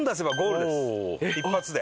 一発で。